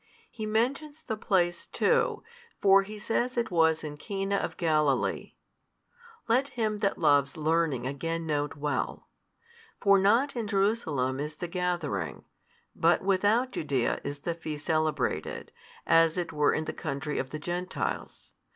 He mentions the place too; for he says it was in Cana of |158 Galilee. Let him that loves learning again note well: for not in Jerusalem is the gathering, but without Judaea is the feast celebrated, as it were in the country of the Gentiles.